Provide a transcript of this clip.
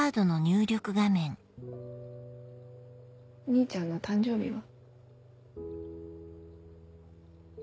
兄ちゃんの誕生日は？